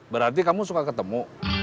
berarti kamu suka ketemu